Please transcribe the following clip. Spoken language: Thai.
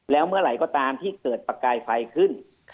แล้วเมื่อไหร่ก็ตามที่เกิดประกายไฟขึ้น